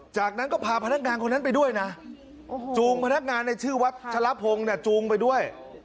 จากนั้นก็พาพนักงานคนนั้นไปด้วยนะจูงพนักงานในชื่อวัชละพงศ์จูงไปด้วย